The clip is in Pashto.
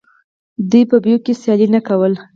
دوی په بیو کې سیالي نه کوله